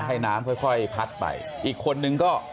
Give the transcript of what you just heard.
ให้น้ำค่อยค่อยพัดไปอีกคนนึงก็